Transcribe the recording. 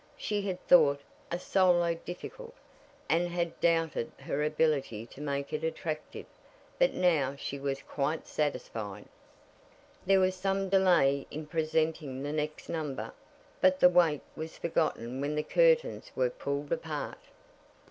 She had thought a "solo" difficult, and had doubted her ability to make it attractive, but now she was quite satisfied. There was some delay in presenting the next number, but the wait was forgotten when the curtains were pulled apart.